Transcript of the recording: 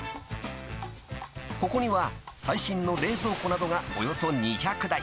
［ここには最新の冷蔵庫などがおよそ２００台］